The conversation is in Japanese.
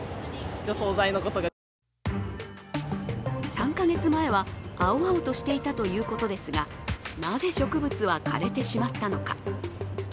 ３か月前は青々としていたということですがなぜ植物は枯れてしまったのか。